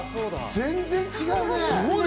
全然違うね。